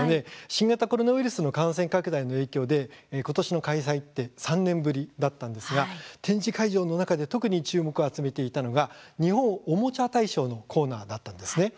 新型コロナウイルスの感染拡大の影響でことしの開催って３年ぶりだったんですが展示会場の中で特に注目を集めていたのが日本おもちゃ大賞のコーナーだったんです。